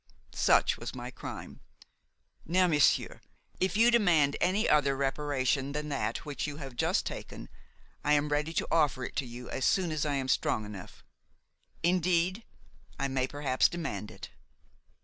Such was my crime. Now, monsieur, if you demand any other reparation than that which you have just taken, I am ready to offer it to you as soon as I am strong enough; indeed, I may perhaps demand it."